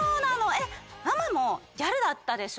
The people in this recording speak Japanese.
えっママもギャルだったでしょ？